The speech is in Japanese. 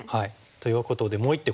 ということでもう一手